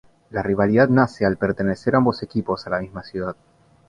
La rivalidad nace al pertenecer ambos equipos a la misma ciudad.